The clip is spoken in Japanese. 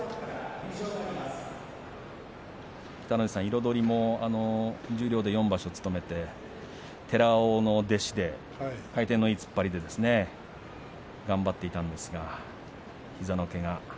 北の富士さん、彩も十両で４場所務めて寺尾の弟子で回転のいい突っ張りで頑張っていたんですけど膝のけが。